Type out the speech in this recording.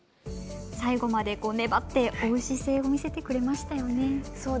最後まで粘って追う姿勢を見せてくれましたよね。